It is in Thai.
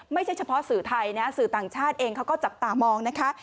ไม่ใช่เฉพาะสื่อไทยนะสื่อต่างชาติเองเขาก็จับตามองนะคะ